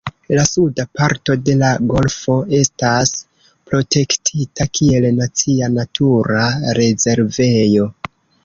La suda parto de la golfo estas protektita kiel nacia natura rezervejo.